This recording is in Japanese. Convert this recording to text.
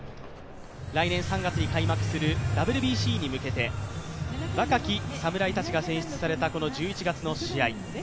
来年３月に開幕するＷＢＣに向けて若き侍たちが選出された１１月の試合。